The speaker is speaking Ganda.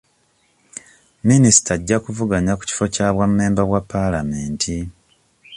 Minisita ajja kuvuganya ku kifo kyo bwa mmemba bwa paalamenti.